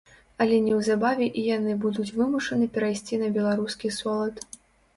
Але неўзабаве і яны будуць вымушаны перайсці на беларускі солад.